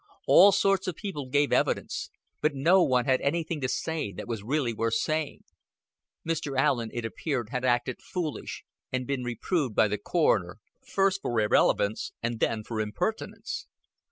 All sorts of people gave evidence, but no one had anything to say that was really worth saying. Mr. Allen, it appeared, had "acted foolish" and been reproved by the Coroner, first for irrelevance and then for impertinence.